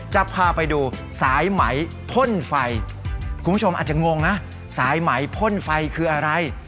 จะพาไปดูสายไหมพ่นไฟคุณผู้ชมอาจจะงงนะสายไหมพ่นไฟคืออะไร